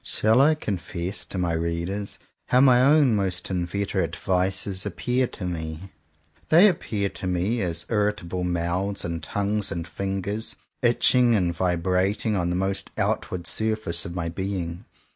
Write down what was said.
Shall I confess to my reader how my own most inveterate vices appear to me? They appear to me as irritable mouths and tongues and fingers, itching and vibrating, on the most outward surface of my being.